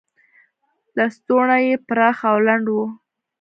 لستوڼي یې پراخ او لنډ و.